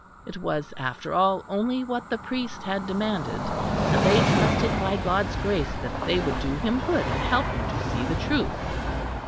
It was, after all, only what the priest had demanded; and they trusted by God's grace that they would do him good and help him to see the truth.